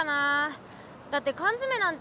だってかんづめなんてないもん。